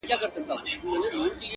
راوتلی تر اوو پوښو اغاز دی,